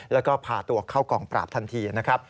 แล้วก็พาตัวเข้ากองปราบทันทีนะครับ